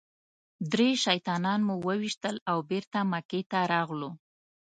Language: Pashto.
درې شیطانان مو وويشتل او بېرته مکې ته راغلو.